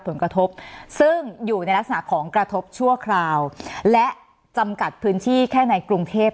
สนับสนุนโดยพี่โพเพี่ยวสะอาดใสไร้คราบ